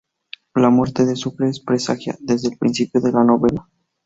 La muerte de Sucre se presagia desde el principio de la novela.